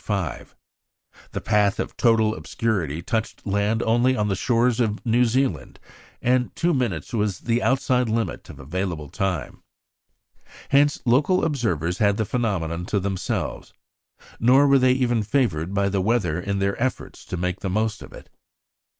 The path of total obscurity touched land only on the shores of New Zealand, and two minutes was the outside limit of available time. Hence local observers had the phenomenon to themselves; nor were they even favoured by the weather in their efforts to make the most of it.